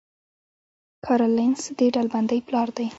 کارل لینس د ډلبندۍ پلار دی